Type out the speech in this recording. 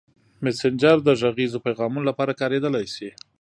مسېنجر د غږیزو پیغامونو لپاره کارېدلی شي.